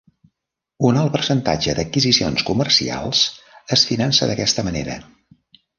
Un alt percentatge d'adquisicions comercials es finança d'aquesta manera.